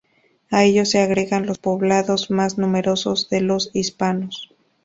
A ellos se agregan los poblados más numerosos de los hispanos.